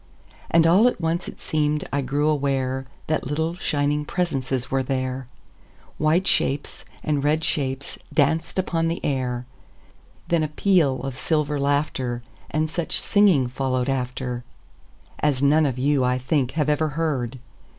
And all at once it seem'd I grew awareThat little, shining presences were there,—White shapes and red shapes danced upon the air; Then a peal of silver laughter, And such singing followed afterAs none of you, I think, have ever heard.